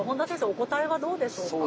お答えはどうでしょうか。